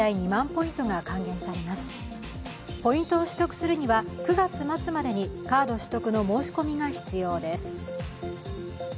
ポイントを取得するには９月末までにカード取得の申し込みが必要です。